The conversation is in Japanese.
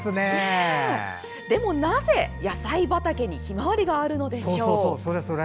でも、なぜ野菜畑にひまわりがあるのでしょう？